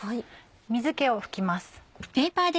水気を拭きます。